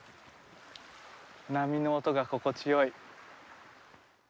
波の音が心地よい。